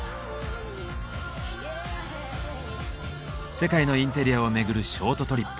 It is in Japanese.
世界のインテリアを巡るショートトリップ。